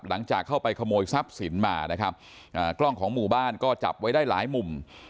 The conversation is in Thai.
หลังจากเข้าไปขโมยทรัพย์สินมานะครับอ่ากล้องของหมู่บ้านก็จับไว้ได้หลายมุม